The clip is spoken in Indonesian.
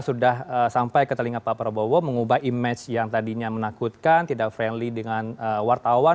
sudah sampai ke telinga pak prabowo mengubah image yang tadinya menakutkan tidak friendly dengan wartawan